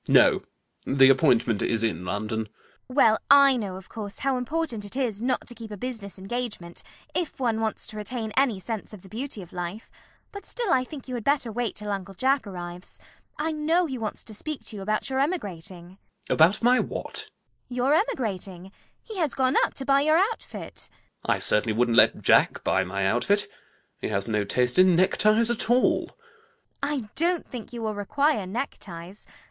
No: the appointment is in London. CECILY. Well, I know, of course, how important it is not to keep a business engagement, if one wants to retain any sense of the beauty of life, but still I think you had better wait till Uncle Jack arrives. I know he wants to speak to you about your emigrating. ALGERNON. About my what? CECILY. Your emigrating. He has gone up to buy your outfit. ALGERNON. I certainly wouldn't let Jack buy my outfit. He has no taste in neckties at all. CECILY. I don't think you will require neckties.